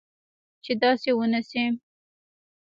چې داسي و نه شي